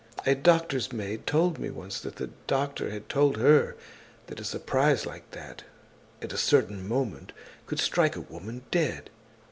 A doctor's maid told me once that the doctor had told her that a surprise like that, at a certain moment, could strike a woman dead.